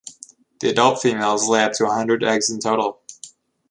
The adult females lay up to a hundred eggs in total.